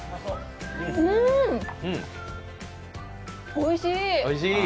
おいしい！